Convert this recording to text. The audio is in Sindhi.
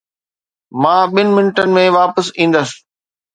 مان ٻن منٽن ۾ واپس ايندس